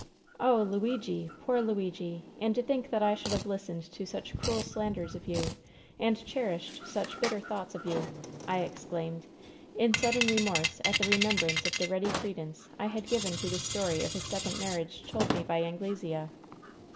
" 'Oh, Luigi ! Poor Luigi ! And to think that I should have listened to such cruel slanders of jou and 210 WHEN SHADOWS DIE cherished such bitter thoughts of you !' I exclaimM^ ia sudden remorse at the remembrance of the ready cre dence I had given to the story of his second m&rriage told me by Anglesea.